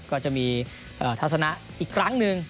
ก็จะมีทัศนะอีกครั้งหนึ่ง